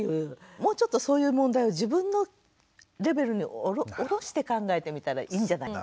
もうちょっとそういう問題を自分のレベルに下ろして考えてみたらいいんじゃない？